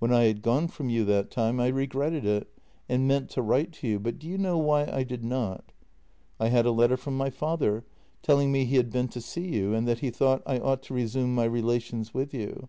When I had gone from you that time I regretted it, and meant to write to you, but do you know why I did not? I had a letter from my father, telling me he had been to see you and that he thought I ought to resume my relations with you.